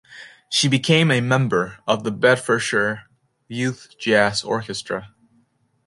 She became a member of the "Bedfordshire Youth Jazz Orchestra".